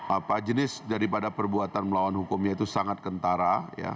apa jenis daripada perbuatan melawan hukumnya itu sangat kentara